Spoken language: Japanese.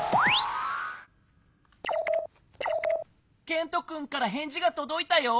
ケントくんからへんじがとどいたよ。